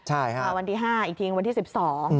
ใช่ครับอ่าวันที่๕อีกทียังวันที่๑๒อื้อฮือ